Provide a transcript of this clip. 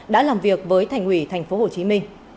đã làm việc với thành ủy tp hcm